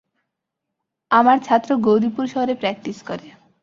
আমার ছাত্র গৌরীপুর শহরে প্র্যাকটিস করে।